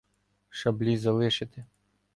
Шаблі залишите.